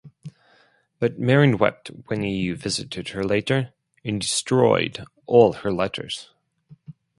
But Mering wept when he visited her later, and destroyed all her letters.